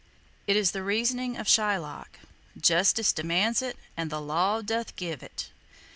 It is the reasoning of Shylock: "Justice demands it, and the law doth give it!"